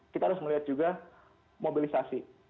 kita harus melihat juga mobilisasi